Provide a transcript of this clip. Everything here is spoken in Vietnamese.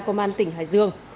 công an tỉnh hải dương